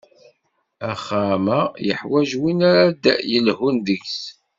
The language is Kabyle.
Axxam-a yeḥwaǧ win ara ad d-yelhun deg-s.